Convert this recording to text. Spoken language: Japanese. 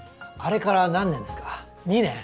あれから何年ですか？